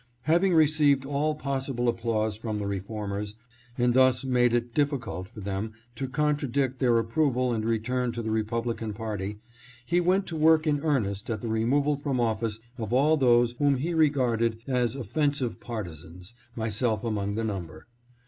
Having received all possible applause from the reformers, and thus made it difficult for them to contradict their approval and return to the Republican party, he went to work in earnest at the removal from office of all those whom he regarded as offensive partisans, myself among the number.